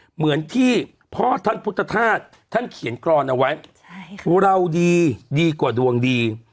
เหมือนที่พ่อท่านพุทธธาตุท่านเขียนกรอนเอาไว้เราดีดีกว่าดวงดี